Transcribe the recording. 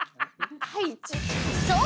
［そう！